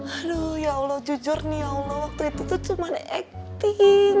aduh ya allah jujur nih allah waktu itu tuh cuma acting